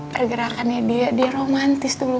pergerakannya dia romantis dulu